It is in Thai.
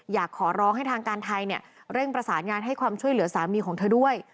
อยากขอร้องให้ทางการไทยเร่งประสานงานให้ความช่วยเหลือสามีของเธอด้วย